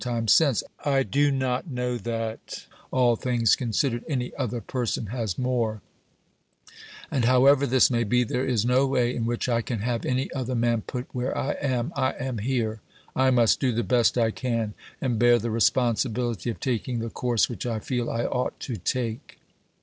time since, I do not know that, all things considered, any other person has more ; and, however this may be, there is no way in which I can have any other man put where I am. I am here ; I must do the best I can, and bear the responsibility of taking the course which I feel I ought to take."